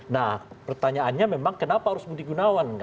nah pertanyaannya memang kenapa harus budi gunawan